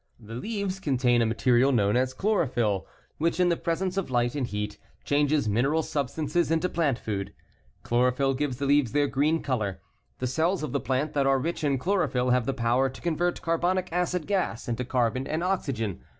The leaves contain a material known as chlorophyll, which, in the presence of light and heat, changes mineral substances into plant food. Chlorophyll gives the leaves their green color. The cells of the plant that are rich in chlorophyll have the power to convert carbonic acid gas into carbon and oxygen.